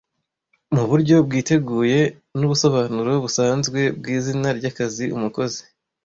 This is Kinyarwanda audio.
Muburyo bwiteguye nubusobanuro busanzwe bwizina ryakazi Umukozi